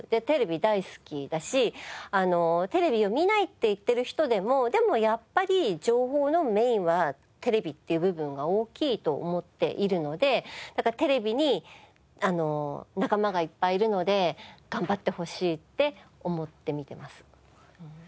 テレビ大好きだしテレビを見ないって言ってる人でもでもやっぱり情報のメインはテレビっていう部分が大きいと思っているのでだからテレビに仲間がいっぱいいるので頑張ってほしいって思って見てます。